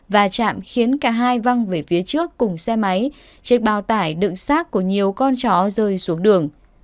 và chạm khiến cả hai văng về phía trước cùng xe máy chiếc bao tải đựng sát của nhiều con chó rơi xuống đường